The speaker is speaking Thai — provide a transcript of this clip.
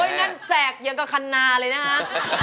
นั่นแสกอย่างกับคันนาเลยนะฮะ